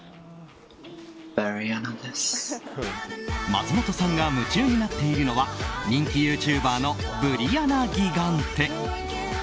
松本さんが夢中になっているのは人気ユーチューバーのブリアナ・ギガンテ。